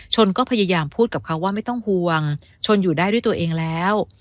ก็พยายามพูดกับเขาว่าไม่ต้องห่วงชนอยู่ได้ด้วยตัวเองแล้ว